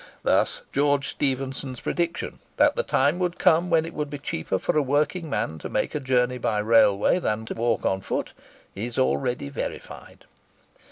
Thus George Stephenson's prediction, "that the time would come when it would be cheaper for a working man to make a journey by railway than to walk on foot," is already verified.